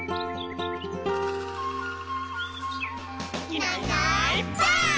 「いないいないばあっ！」